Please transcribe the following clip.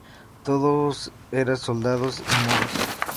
Todo eran soldados y moros.